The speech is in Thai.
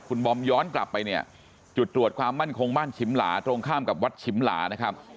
คุณบอมย้อนกลับไปเนี่ยจุดตรวจความมั่นคงบ้านฉิมหลาตรงข้ามกับวัดฉิมหลานะครับ